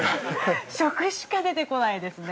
◆食しか出てこないですね